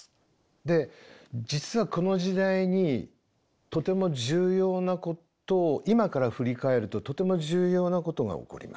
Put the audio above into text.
で実はこの時代にとても重要なこと今から振り返るととても重要なことが起こります。